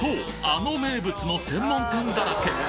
あの名物の専門店だらけ！